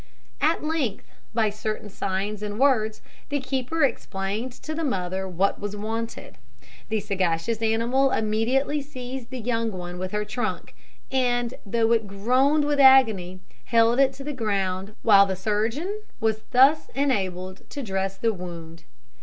At length, by certain signs and words, the keeper explained to the mother what was wanted. The sagacious animal immediately seized the young one with her trunk, and, though it groaned with agony, held it to the ground, while the surgeon was thus enabled to dress the wound.